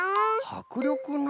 はくりょくな。